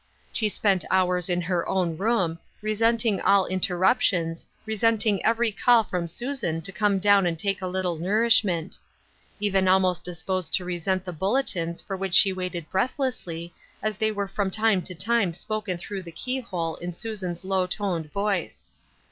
She spent hours in her own room, resenting all in terruptions, resenting every call from Susan to come down and take a little nourishment ; even almost disposed to resent the bulletins for which she waited breathlessly as they were from time to time spoken through the keyhole in Susan's low toned voice.